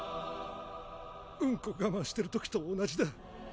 ウンコ我慢してる時と同じだ。